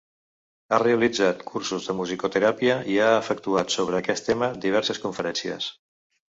Ha realitzat cursos de musicoteràpia i ha efectuat sobre aquest tema diverses conferències.